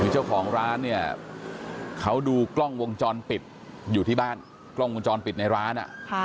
คือเจ้าของร้านเนี่ยเขาดูกล้องวงจรปิดอยู่ที่บ้านกล้องวงจรปิดในร้าน